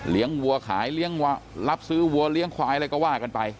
วัวขายรับซื้อวัวเลี้ยงควายอะไรก็ว่ากันไป